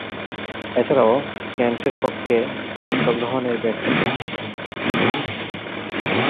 এছাড়াও, কেন্টের পক্ষে অংশগ্রহণের ব্যর্থ প্রচেষ্টা চালান।